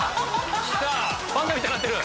パンダみたいになってる！